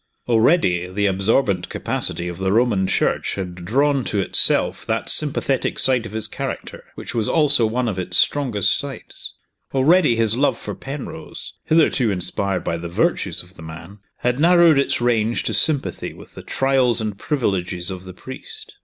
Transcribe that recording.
Already, the absorbent capacity of the Roman Church had drawn to itself that sympathetic side of his character which was also one of its strongest sides. Already, his love for Penrose hitherto inspired by the virtues of the man had narrowed its range to sympathy with the trials and privileges of the priest.